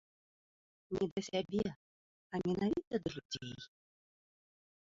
Не да сябе, а менавіта да людзей.